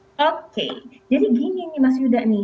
jadi gini nih mas yuda nih